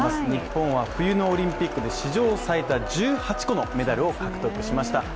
日本は冬のオリンピックで史上最多１８個のメダルを獲得しました。